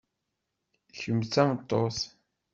Kemm d tameṭṭut.